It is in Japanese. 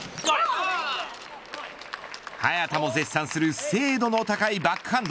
早田も絶賛する精度の高いバックハンド。